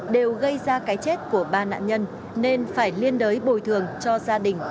đều gây ra cái chết của ba nạn nhân nên phải liên đới bồi thường cho gia đình ba liệt sĩ